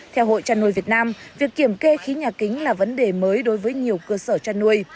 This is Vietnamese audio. theo hội chăn nuôi việt nam việc kiểm kê khí nhà kính là vấn đề mới đối với nhiều cơ sở chăn nuôi